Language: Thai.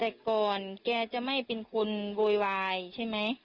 แต่ก่อนแกจะไม่เป็นคนโวยวายใช่ไหม